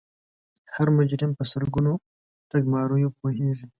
هر مجرم په سلګونو ټګماریو پوهیږي